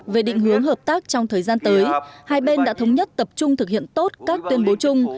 về định hướng hợp tác trong thời gian tới hai bên đã thống nhất tập trung thực hiện tốt các tuyên bố chung